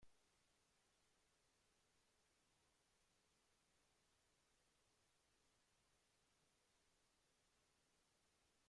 La xilografía es originaria de China y supuso la mecanización del proceso de impresión.